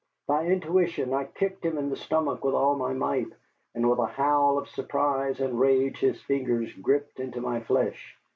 By intuition I kicked him in the stomach with all my might, and with a howl of surprise and rage his fingers gripped into my flesh.